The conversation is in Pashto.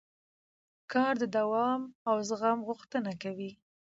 کار د دوام او زغم غوښتنه کوي